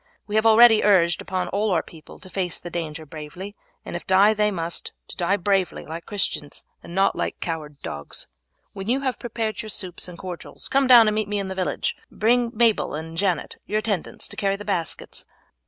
We have already urged upon all our people to face the danger bravely, and if die they must, to die bravely like Christians, and not like coward dogs. When you have prepared your soups and cordials come down and meet me in the village, bringing Mabel and Janet, your attendants, to carry the baskets."